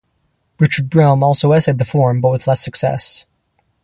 Richard Brome also essayed the form, but with less success.